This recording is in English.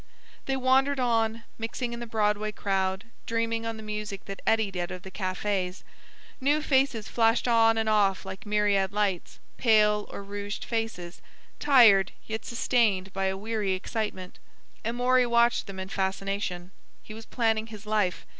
They wandered on, mixing in the Broadway crowd, dreaming on the music that eddied out of the cafes. New faces flashed on and off like myriad lights, pale or rouged faces, tired, yet sustained by a weary excitement. Amory watched them in fascination. He was planning his life.